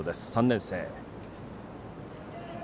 ３年生。